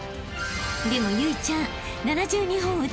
［でも有以ちゃん］